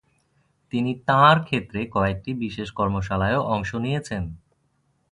তিনি তাঁর ক্ষেত্রে কয়েকটি বিশেষ কর্মশালায়ও অংশ নিয়েছেন।